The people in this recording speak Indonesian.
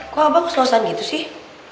kok abah keselosan gitu sih